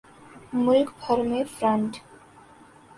ملک بھر میں فرنٹ